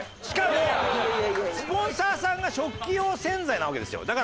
しかもスポンサーさんが食器用洗剤なわけですよ。